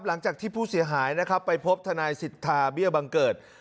หลังจากที่ผู้เสียหายนะครับไปพบทนายสิทธาเบี้ยบังเกิด